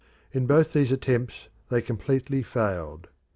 In both these attempts they completely failed.